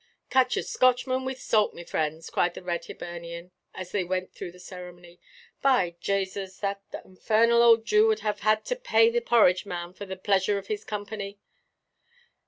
"Catch a Scotchman with salt, me frinds!" cried the red Hibernian, as they went through the ceremony. "By Jasers, but that infarnal old Jew would have had to pay the porridge–man, for the pleasure of his company."